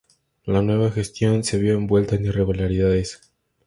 La nueva gestión se vio envuelta en irregularidades.